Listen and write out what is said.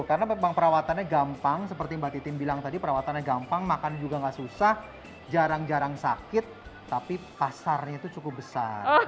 karena memang perawatannya gampang seperti mbak titim bilang tadi perawatannya gampang makan juga nggak susah jarang jarang sakit tapi kasarnya itu cukup besar